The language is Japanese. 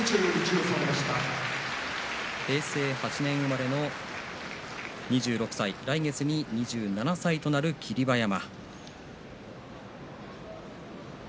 平成８年生まれの２６歳来月２７歳となる霧馬山。